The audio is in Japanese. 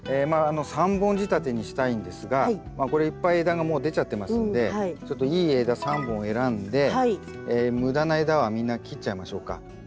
３本仕立てにしたいんですがこれいっぱい枝がもう出ちゃってますんでちょっといい枝３本選んで無駄な枝はみんな切っちゃいましょうか。